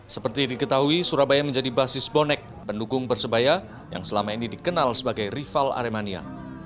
seperti diketahui surabaya menjadi basis bonek pendukung persebaya yang selama ini dikenal sebagai rival aremania